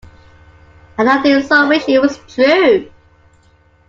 And I do so wish it was true!